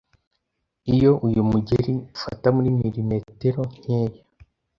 iyo uyu mugeri ufata muri milimetero nkeya